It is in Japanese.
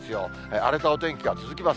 荒れたお天気が続きます。